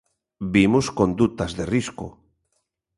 Vimos condutas de risco.